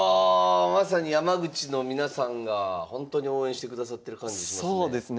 まさに山口の皆さんがほんとに応援してくださってる感じしますね。